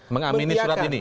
mengamini surat ini